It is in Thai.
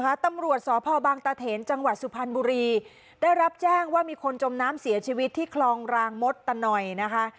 ตำรวจสพบางตะเถนจังหวัดสุพรรณบุรีได้รับแจ้งว่ามีคนจมน้ำเสียชีวิตที่คลองรางมดตะนอยนะคะ